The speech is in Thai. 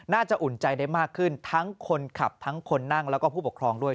อุ่นใจได้มากขึ้นทั้งคนขับทั้งคนนั่งแล้วก็ผู้ปกครองด้วย